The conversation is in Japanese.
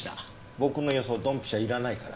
「僕の予想ドンピシャ」いらないから。